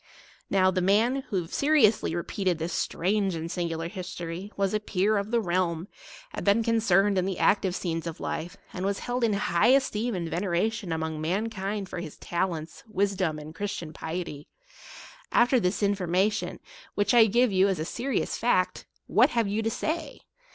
Now, the man, who seriously repeated this strange and singular history, was a peer of the realm, had been concerned in the active scenes of life, and was held in high esteem 173 and veneration among mankind for his talents, wisdom, and Christian piety. After this in formation, which I give you as a serious fact, what have you to say